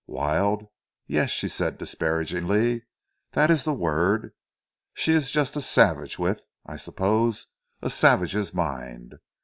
"Wild? Yes," she said disparagingly. "That is the word. She is just a savage, with, I suppose, a savage's mind.